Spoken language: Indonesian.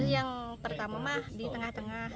yang pertama mah di tengah tengah